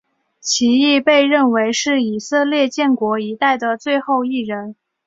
其亦被认为是以色列建国一代的最后一人。